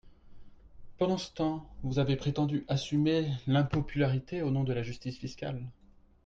Pendant ce temps, vous avez prétendu assumer l’impopularité au nom de la justice fiscale.